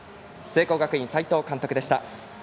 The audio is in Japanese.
聖光学院、斎藤監督でした。